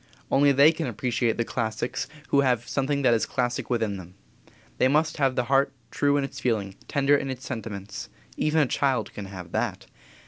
Only they can appreciate the classics who have something that is classic within them. They must have the heart true in its feeling, tender in its sentiments. Even a child can have that.